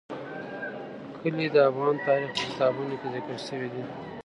کلي د افغان تاریخ په کتابونو کې ذکر شوی دي.